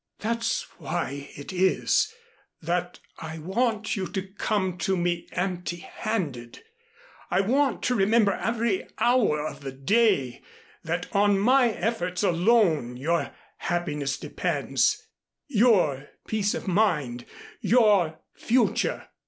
"That's why it is that I want you to come to me empty handed. I want to remember every hour of the day that on my efforts alone your happiness depends your peace of mind, your future."